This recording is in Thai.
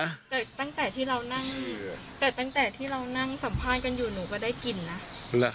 แต่ตั้งแต่ที่เรานั่งแต่ตั้งแต่ที่เรานั่งสัมภาษณ์กันอยู่หนูก็ได้กลิ่นนะ